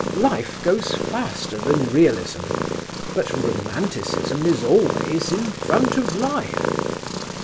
Life goes faster than Realism, but Romanticism is always in front of Life.